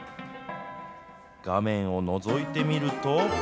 画面をのぞいてみると。